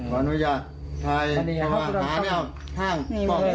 มันจะอยู่ทางใน